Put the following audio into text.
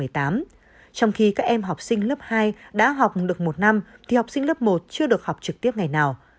trong khi các em học sinh lớp hai đã học được một năm thì học sinh lớp một chưa được học trực tiếp ngày nào